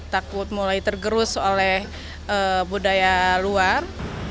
takut mulai tergerus oleh budaya luar